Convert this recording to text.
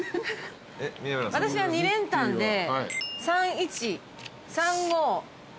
私は２連単で３−１３−５１−３。